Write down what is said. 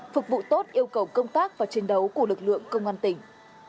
phục vụ tốt yêu cầu công tác và chiến đấu của lực lượng công an tỉnh